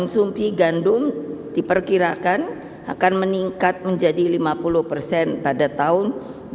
konsumsi gandum diperkirakan akan meningkat menjadi lima puluh persen pada tahun dua ribu dua puluh